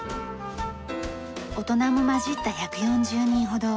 大人も交じった１４０人ほど。